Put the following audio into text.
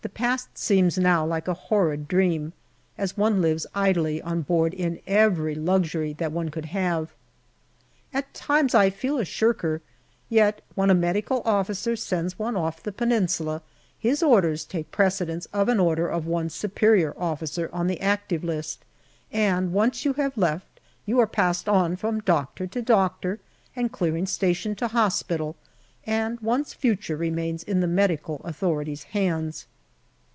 The past seems now like a horrid dream, as one lives idly on board in every luxury that one could have. At times I feel a shirker, yet when a medical officer sends one off the Peninsula his orders take precedence of an order of one's superior officer on the Active List, and once you have left you are passed on from doctor to doctor 164 GALLIPOLI DIARY and clearing station to hospital, and one's future remains in the Medical Authorities' hands.